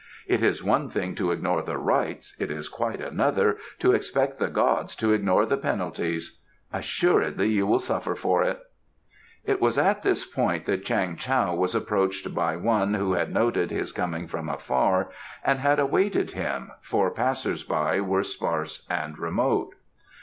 'It is one thing to ignore the Rites: it is quite another to expect the gods to ignore the Penalties.' Assuredly you will suffer for it." It was at this point that Chang Tao was approached by one who had noted his coming from afar, and had awaited him, for passers by were sparse and remote.